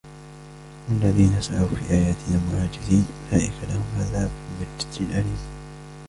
وَالَّذِينَ سَعَوْا فِي آيَاتِنَا مُعَاجِزِينَ أُولَئِكَ لَهُمْ عَذَابٌ مِنْ رِجْزٍ أَلِيمٌ